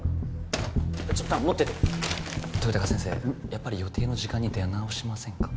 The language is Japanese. ちょっ弾持ってて豊高先生やっぱり予定の時間に出直しませんか？